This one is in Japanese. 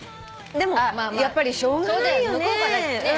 でもやっぱりしょうがないよね。